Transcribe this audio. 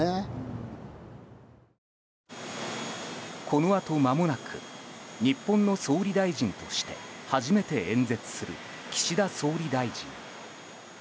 このあとまもなく日本の総理大臣として初めて演説する岸田総理大臣。